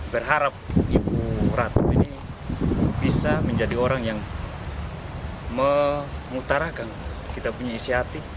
berharap ibu ratu ini bisa menjadi orang yang mengutarakan kita punya isi hati